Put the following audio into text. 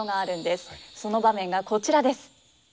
その場面がこちらです。